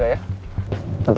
terima kasih tante